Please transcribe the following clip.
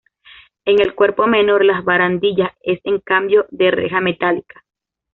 En el cuerpo menor, la barandilla es en cambio, de reja metálica.